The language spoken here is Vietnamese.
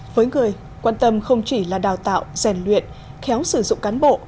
với người quan tâm không chỉ là đào tạo rèn luyện khéo sử dụng cán bộ